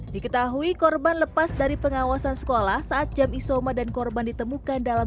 diketahui korban lepas dari pengawasan sekolah saat jam isoma dan korban ditemukan dalam